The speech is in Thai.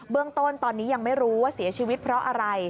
เรื่องต้นตอนนี้ยังไม่รู้ว่าเสียชีวิตเพราะอะไร